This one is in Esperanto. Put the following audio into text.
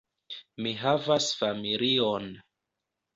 Mi havas familion.